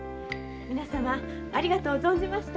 皆さまありがとう存じました。